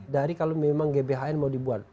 dari kalau memang gbhn mau dibuat